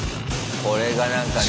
これがなんかね。